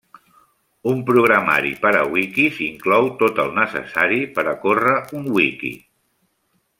Un programari per a wikis inclou tot el necessari per a córrer un wiki.